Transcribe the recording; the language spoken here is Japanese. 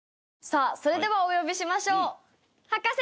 さあそれではお呼びしましょう。